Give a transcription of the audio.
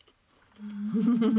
ウフフフ。